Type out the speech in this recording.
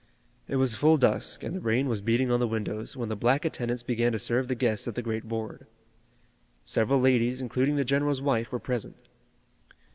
It was full dusk and the rain was beating on the windows, when the black attendants began to serve the guests at the great board. Several ladies, including the general's wife, were present.